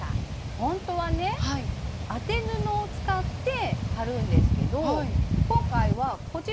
ほんとはね当て布を使って貼るんですけど今回はこちら。